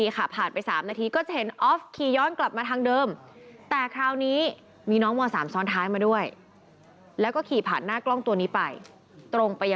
๓๐กันยายน๓ทุ่ม๕๔นาที